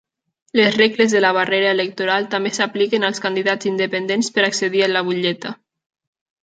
Les regles de la barrera electoral també s'apliquen als candidats independents per accedir a la butlleta.